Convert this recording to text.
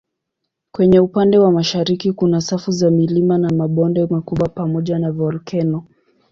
Kwenye upande wa mashariki kuna safu za milima na mabonde makubwa pamoja na volkeno.